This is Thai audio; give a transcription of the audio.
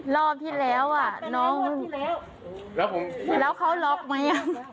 รอบที่แล้วอ่ะน้องแล้วเขาล็อกไหม